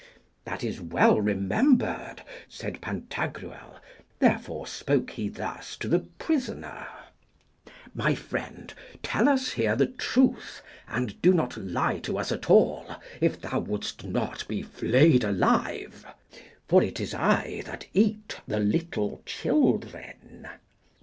That is well remembered, said Pantagruel. Therefore spoke he thus to the prisoner, My friend, tell us here the truth, and do not lie to us at all, if thou wouldst not be flayed alive, for it is I that eat the little children.